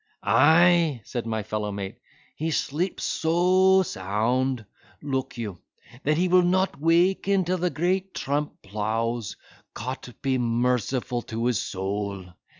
"Ay," said my fellow mate, "he sleeps so sound (look you), that he will not waken till the great trump plows—Cot be merciful to his soul.